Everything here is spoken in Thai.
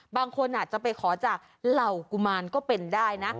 บางคนอาจจะไปขอจากเหล่ากุมารก็เป็นได้นะ